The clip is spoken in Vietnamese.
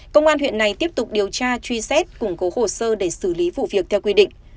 công an huyện này tiếp tục điều tra truy xét củng cố hồ sơ để xử lý vụ việc theo quy định